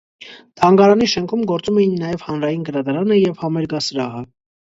Թանգարանի շենքում գործում էին նաև հանրային գրադարանը և համերգասրահը։